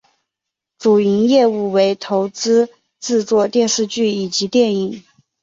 主营业务为投资制作电视剧以及电影。